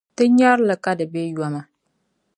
Ti nyari li ka di be yoma.